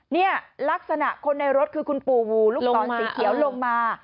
เนี่ยลักษณะคนในรถคือคุณปู่วูลูกศรสีเขียวลงมา